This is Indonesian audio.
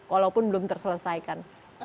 walaupun belum terselesaikan